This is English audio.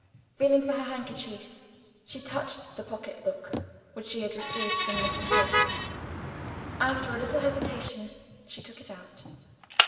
Feeling for her handkerchief, she touched the pocketbook which she had received from Mrs. Rook. After a little hesitation she took it out.